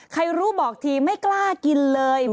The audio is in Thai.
ใครรู้บอกทีไม่กล้ากินเลย